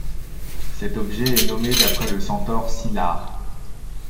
Cet objet est nommé d'après le centaure Cyllare.